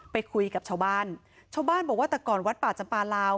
ไปคุยกับชาวบ้านชาวบ้านบอกว่าแต่ก่อนวัดป่าจำปลาลาว